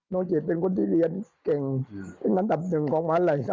น้องเจษ์เป็นคนเรียนเก่งกำลังจะ